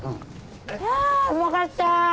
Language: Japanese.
いやうまかった！